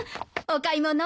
お買い物？